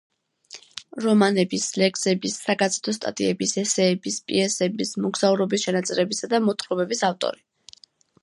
რომანების, ლექსების, საგაზეთო სტატიების, ესეების, პიესების, მოგზაურობის ჩანაწერებისა და მოთხრობების ავტორი.